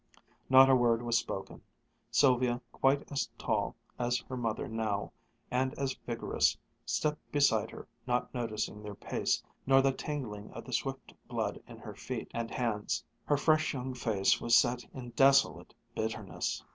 Not a word was spoken. Sylvia, quite as tall as her mother now, and as vigorous, stepped beside her, not noticing their pace, nor the tingling of the swift blood in her feet and hands. Her fresh young face was set in desolate bitterness.